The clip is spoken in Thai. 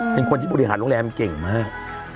เป็นคนที่บริหารโรงแรมเก่งมาก